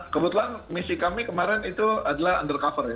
kebetulan misi kami kemarin itu adalah undercover ya